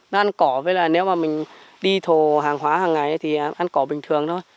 nó ăn cỏ với là nếu mà mình đi thồ hàng hóa hàng ngày thì ăn cỏ bình thường thôi